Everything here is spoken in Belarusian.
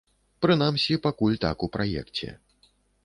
Прынамсі, пакуль так у праекце.